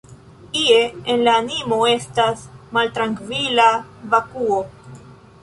Ie en la animo estas maltrankvila vakuo.